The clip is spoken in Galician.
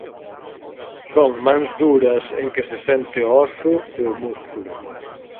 Son mans duras en que se sente o óso e o músculo.